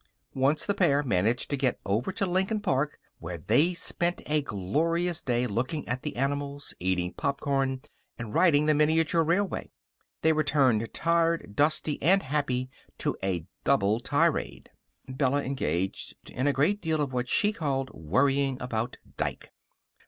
Once the pair managed to get over to Lincoln Park, where they spent a glorious day looking at the animals, eating popcorn, and riding on the miniature railway. They returned, tired, dusty, and happy, to a double tirade. Bella engaged in a great deal of what she called worrying about Dike.